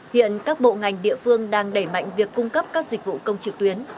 hiện các bộ ngành địa phương đang đẩy mạnh việc cung cấp các dịch vụ công trực tuyến